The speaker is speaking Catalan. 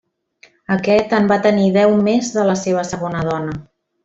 Aquest en va tenir deu més de la seva segona dona.